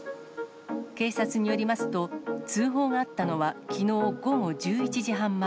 警察によりますと、通報があったのはきのう午後１１時半前。